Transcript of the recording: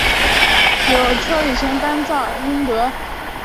由溴乙醛在干燥溴化氢作用下与乙醇反应得到。